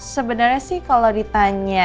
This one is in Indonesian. sebenarnya sih kalau ditanya